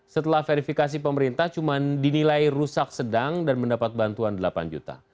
setelah verifikasi pemerintah cuma dinilai rusak sedang dan mendapat bantuan delapan juta